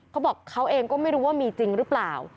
เขาบอกเขาเองก็ไม่รู้ว่ามีจริงหรือเปล่า